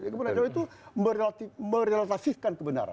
kebudayaan jawa itu merelatifkan kebenaran